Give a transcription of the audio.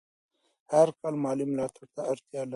هر کار مالي ملاتړ ته اړتیا لري.